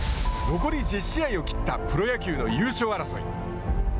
残り１０試合を切ったプロ野球の優勝争い。